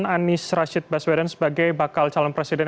anies rashid baswedan sebagai bakal calon presiden